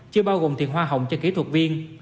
chưa bao gồm tiền hoa hồng cho kỹ thuật viên